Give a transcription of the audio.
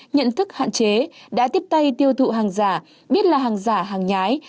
nhận thức hạn chế đã tiếp tay tiêu thụ hàng giả biết là hàng giả hàng nhái